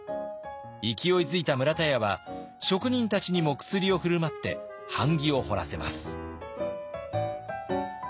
勢いづいた村田屋は職人たちにも薬を振る舞って版木を彫らせます。